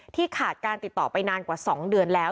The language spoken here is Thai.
ขาดการติดต่อไปนานกว่า๒เดือนแล้ว